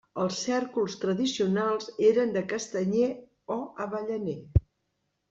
Els cèrcols tradicionals eren de castanyer o avellaner.